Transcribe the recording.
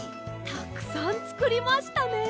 たくさんつくりましたね。